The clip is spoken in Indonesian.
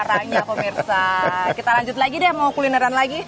kita lanjut lagi deh mau kulineran lagi